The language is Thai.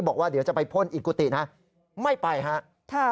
บอกว่าเดี๋ยวจะไปพ่นอีกกุฏินะไม่ไปครับ